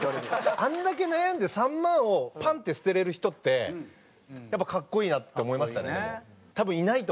あれだけ悩んで三萬をパンって捨てれる人ってやっぱ格好いいなって思いましたねでも。